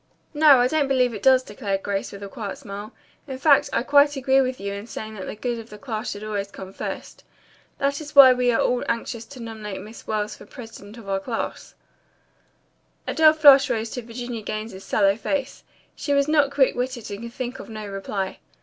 "No, I don't believe it does," declared Grace with a quiet smile. "In fact, I quite agree with you in saying that the good of the class should always come first. That is why we are all anxious to nominate Miss Wells for president of 19 ." A dull flush rose to Virginia Gaines's sallow face. She was not quick witted and could think of no reply.